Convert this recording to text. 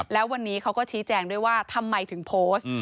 แล้ววันนี้เขาก็ชี้แจงด้วยว่าทำไมถึงโพสต์